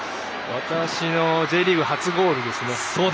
私のＪリーグ初ゴールですね。